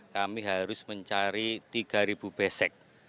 kami harus mencari tiga besek